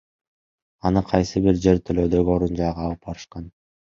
Аны кайсы бир жер төлөөдөгү орун жайга алып барышкан.